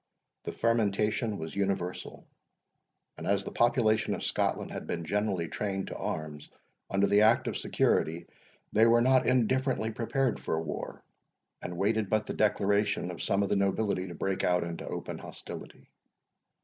The fermentation was universal; and, as the population of Scotland had been generally trained to arms, under the act of security, they were not indifferently prepared for war, and waited but the declaration of some of the nobility to break out into open hostility.